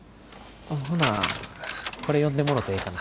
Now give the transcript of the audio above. ほなこれ読んでもろてええかな？